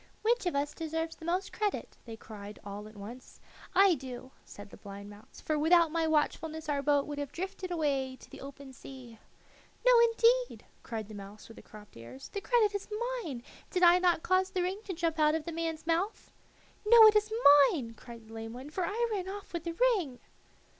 "Which of us deserves the most credit?" they cried all at once. "I do," said the blind mouse, "for without my watchfulness our boat would have drifted away to the open sea." "No, indeed," cried the mouse with the cropped ears; "the credit is mine. Did I not cause the ring to jump out of the man's mouth?" "No, it is mine," cried the lame one, "for I ran off with the ring."